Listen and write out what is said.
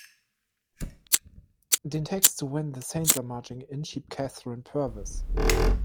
Den Text zu "When the Saints are Marching In" schrieb Katharine Purvis.